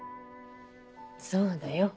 そうだよ